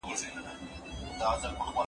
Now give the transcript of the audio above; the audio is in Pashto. زه به سبا ته فکر کوم!؟